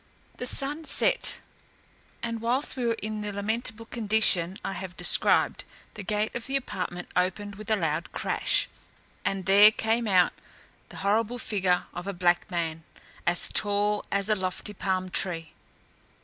The sun set, and whilst we were in the lamentable condition I have described, the gate of the apartment opened with a loud crash, and there came out the horrible figure of a black man, as tall as a lofty palm tree.